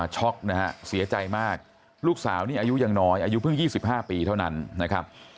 ช็อกนะฮะเสียใจมากลูกสาวนี่อายุยังน้อยอายุเพิ่ง๒๕ปีเท่านั้นนะครับ